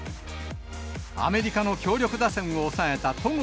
アメリカの強力打線を抑えた戸郷